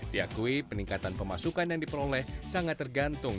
diakui peningkatan pemasukan yang diperoleh sangat tergantung